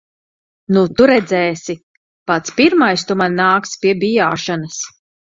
Nu tu redzēsi. Pats pirmais tu man nāksi pie bijāšanas.